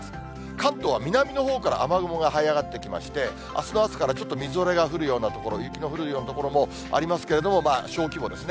関東は南のほうから雨雲がはい上がってきまして、あすの朝からちょっとみぞれが降るような所、雪の降るような所もありますけれども、小規模ですね。